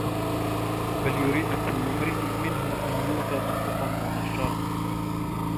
بَل يُريدُ كُلُّ امرِئٍ مِنهُم أَن يُؤتى صُحُفًا مُنَشَّرَةً